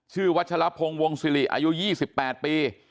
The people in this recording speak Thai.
ชื่อวัชลพงศ์วงศ์ศิริอายุ๒๘ปี